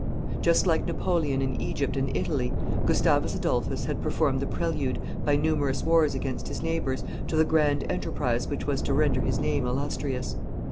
Just like Napoleon in Egypt and Italy, Gustavus Adolphus, had performed the prelude, by numerous wars against his neighbors, to the grand enterprise which was to render his name illustrious.